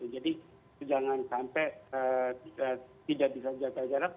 jadi jangan sampai tidak bisa jaga jarak